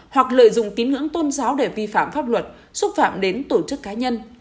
hoặc lợi dụng tín ngưỡng tôn giáo để vi phạm pháp luật xúc phạm đến tổ chức cá nhân